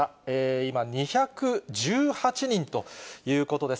今、２１８人ということです。